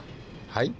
はい？